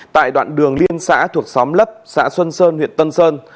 tại đoạn đường liên xã thuộc xóm lấp xã xuân sơn huyện tân sơn